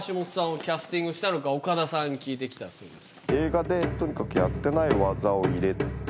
岡田さんに聞いて来たそうです。